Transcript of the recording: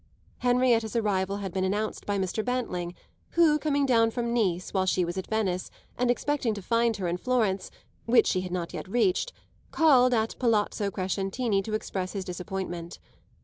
Henrietta's arrival had been announced by Mr. Bantling, who, coming down from Nice while she was at Venice, and expecting to find her in Florence, which she had not yet reached, called at Palazzo Crescentini to express his disappointment.